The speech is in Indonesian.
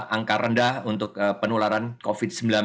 angka rendah untuk penularan covid sembilan belas